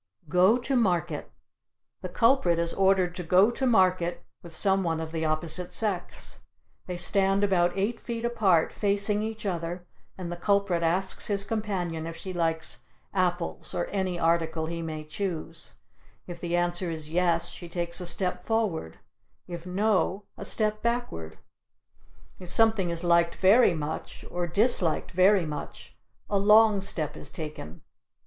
Go to Market. The culprit is ordered to go to market with some one of the opposite sex. They stand about eight feet apart, facing each other, and the culprit asks his companion if she likes apples (or any article he may choose) if the answer is "yes," she takes a step forward, if "no," a step backward. If something is liked very much or disliked very much a long step is taken.